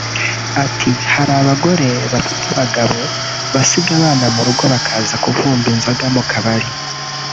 Ati “ Hari abagore bafite abagabo basiga abana mu rugo bakaza kuvumba inzoga mu kabari